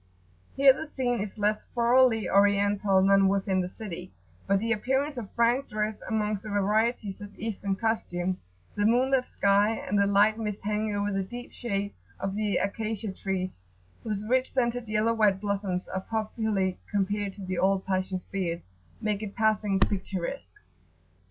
Here the scene is less thoroughly Oriental than within the city; but the appearance of Frank dress amongst the varieties of Eastern costume, the moon lit sky, and the light mist hanging over the deep shade of the Acacia trees whose rich scented yellow white blossoms are popularly compared to the old Pasha's beard[FN#15] make it passing picturesque.